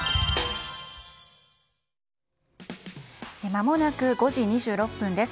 まもなく５時２６分です。